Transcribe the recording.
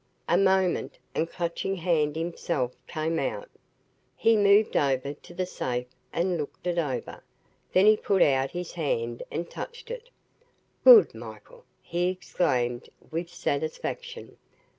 A moment, and Clutching Hand himself came out. He moved over to the safe and looked it over. Then he put out his hand and touched it. "Good, Michael," he exclaimed with satisfaction.